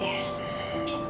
aku sudah pulang